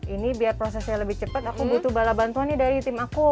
ini biar prosesnya lebih cepat aku butuh bala bantuan nih dari tim aku